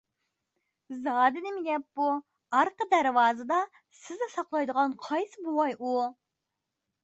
زادى نېمە گەپ بۇ؟ ئارقا دەرۋازىدا سىزنى ساقلايدىغان قايسى بوۋاي ئۇ؟